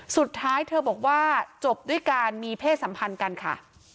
สุดท้ายเธอบอกว่าจบด้วยการมีเพศสัมพันธ์กันค่ะ